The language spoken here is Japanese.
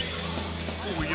おや？